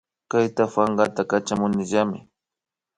Kayta pankata Kachamunillami